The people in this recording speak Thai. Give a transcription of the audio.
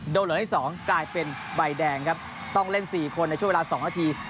เหลือที่๒กลายเป็นใบแดงครับต้องเล่น๔คนในช่วงเวลา๒นาที